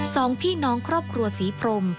สองพี่น้องครอบครัวศรีพรม